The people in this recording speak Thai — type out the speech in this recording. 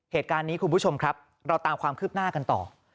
เหตุการณ์นี้คุณผู้ชมครับเราตามความคืบหน้ากันต่อ